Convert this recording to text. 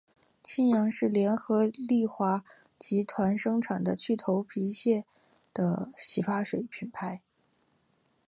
清扬是联合利华集团生产的去头皮屑洗发水品牌。